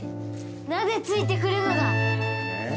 なぜついてくるのだ！？え？